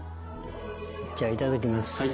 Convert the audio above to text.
じゃあいただきます。